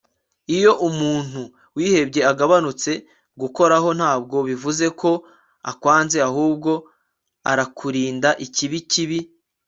iyo umuntu wihebye agabanutse gukoraho ntabwo bivuze ko akwanze ahubwo arakurinda ikibi kibi